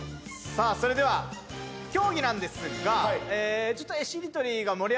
さあそれでは競技なんですがちょっと。